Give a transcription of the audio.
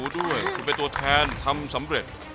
ด้วยคุณเป็นตัวแทนทำสำเร็จ